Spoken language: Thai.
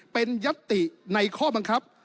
เป็นยัตติในข้อบังคับ